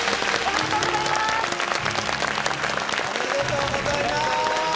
おめでとうございます！